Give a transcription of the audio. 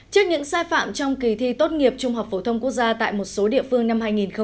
trước những sai phạm trong kỳ thi tốt nghiệp trung học phổ thông quốc gia tại một số địa phương năm hai nghìn hai mươi